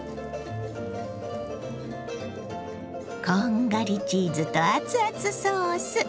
こんがりチーズと熱々ソース。